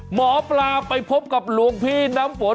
หมอปลาไปพบกับหลวงพี่น้ำฝน